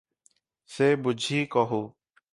ସେ ବୁଝି କହୁ ।